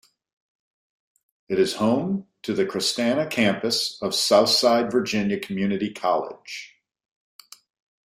It is home to the Christanna Campus of Southside Virginia Community College.